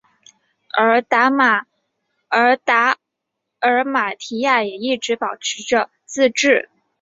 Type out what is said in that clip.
而达尔马提亚也一直保持着自治。